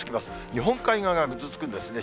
日本海側がぐずつくんですね。